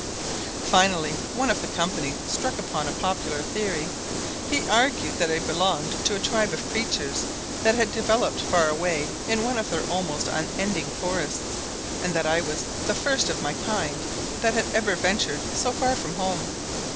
Finally one of the company struck upon a popular theory. He argued that I belonged to a tribe of creatures that had developed far away in one of their almost unending forests, and that I was the first of my kind that had ever ventured so far from home.